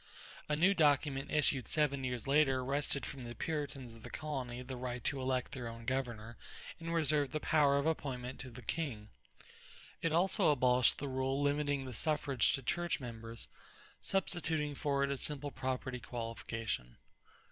A new document issued seven years later wrested from the Puritans of the colony the right to elect their own governor and reserved the power of appointment to the king. It also abolished the rule limiting the suffrage to church members, substituting for it a simple property qualification.